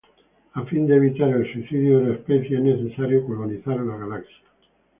A fin de evitar el suicidio de la especie es necesario colonizar la Galaxia.